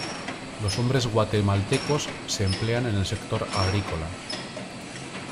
Los hombres guatemaltecos se emplean en el sector agrícola.